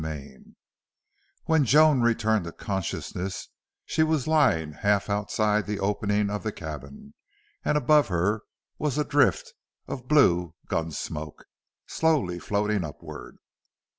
6 When Joan returned to consciousness she was lying half outside the opening of the cabin and above her was a drift of blue gun smoke, slowly floating upward.